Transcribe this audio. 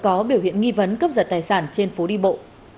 có biểu hiện nghi vấn cướp giật tài sản trên phố đi bộ